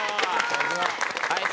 はい。